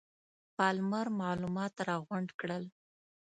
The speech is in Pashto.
پالمر معلومات راغونډ کړل.